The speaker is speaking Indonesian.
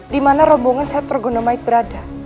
dimana rombongan seth rukunamait berada